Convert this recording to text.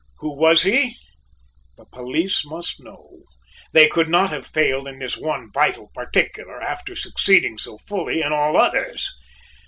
Who was he? The police must know, they could not have failed in this one vital particular after succeeding so fully in all others.